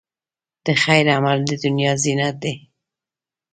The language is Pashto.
د خیر عمل، د دنیا زینت دی.